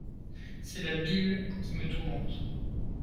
C’est la bile qui me tourmente.